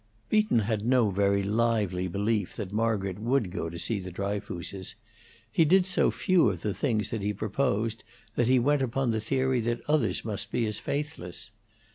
Beaton had no very lively belief that Margaret would go to see the Dryfooses; he did so few of the things he proposed that he went upon the theory that others must be as faithless.